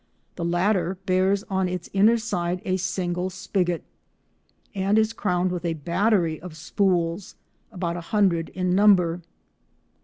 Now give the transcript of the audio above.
The latter bears on its inner side a single spigot (fig. 12 a) and is crowned with a battery of spools, about a hundred in number.